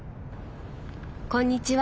こんにちは。